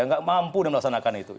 tidak mampu melaksanakan itu